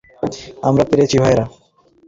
আমরা পেরেছি, ভাইয়েরা!